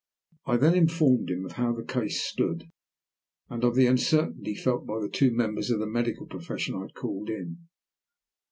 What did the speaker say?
I then informed him how the case stood, and of the uncertainty felt by the two members of the medical profession I had called in.